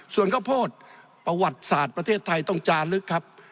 ส่วนข้าวโพดประวัติศาสตร์ประเทศไทยต้องจาลึกครับ